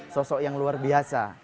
sosok yang luar biasa